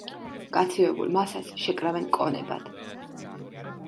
გაცივებულ მასას შეკრავენ კონებად.